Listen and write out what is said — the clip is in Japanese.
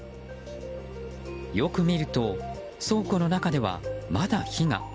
よく見ると、倉庫の中ではまだ火が。